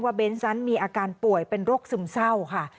เบนส์นั้นมีอาการป่วยเป็นโรคซึมเศร้าค่ะ